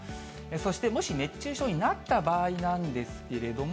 そしてもし、熱中症になった場合なんですけれども。